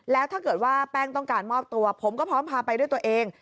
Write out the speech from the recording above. แล้วถ้าเกิดว่าแป้งต้องการมอบตัวผมก็พร้อมพาไปด้วยตัวเอง